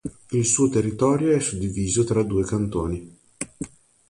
Il suo territorio è suddiviso tra due cantoni.